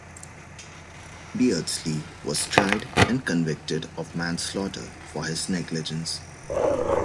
Beardsley was tried and convicted of manslaughter for his negligence.